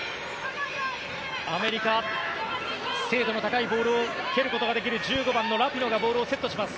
アメリカ、精度の高いボールを蹴ることができる１５番のラピノがボールをセットします。